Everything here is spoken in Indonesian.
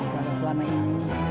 karena selama ini